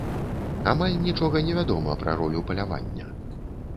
Амаль нічога не вядома пра ролю палявання.